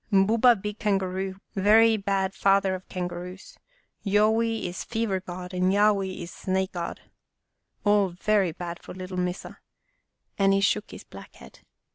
Buba big kangaroo, very bad father of kangaroos, Yo wi is fever god, and Ya wi is snake god. All very bad for little Missa," and he shook his black head.